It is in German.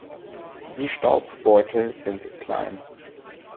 Die Staubbeutel sind klein.